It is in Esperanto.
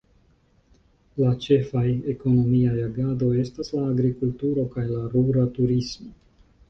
La ĉefaj ekonomiaj agadoj estas la agrikulturo kaj la rura turismo.